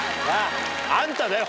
あんただよ